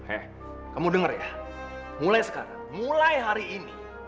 hei kamu dengar ya mulai sekarang mulai hari ini